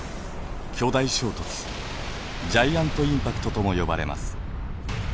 巨大衝突ジャイアントインパクトとも呼ばれます。